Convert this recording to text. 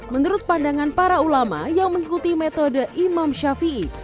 menurut pandangan para ulama yang mengikuti metode imam syafiqah